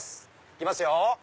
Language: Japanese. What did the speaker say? いきますよ！